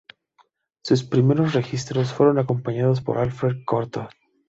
Sus primeros registros fueron acompañados por Alfred Cortot.